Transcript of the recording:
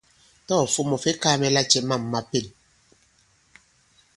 Tâ ɔ̀ fom ɔ̀ fe kaā mɛ lacɛ mâm ma pên.